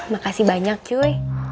makasih banyak cuy